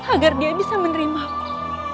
agar dia bisa menerimaku